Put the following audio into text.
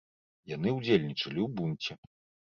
Яны ўдзельнічалі ў бунце.